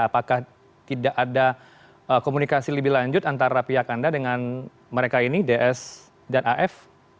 apakah tidak ada komunikasi lebih lanjut antara pihak anda dengan mereka ini ds dan af